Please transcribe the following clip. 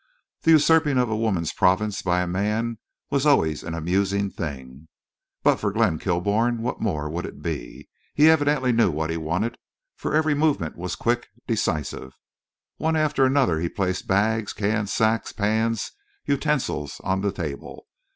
The usurping of a woman's province by a man was always an amusing thing. But for Glenn Kilbourne—what more would it be? He evidently knew what he wanted, for every movement was quick, decisive. One after another he placed bags, cans, sacks, pans, utensils on the table.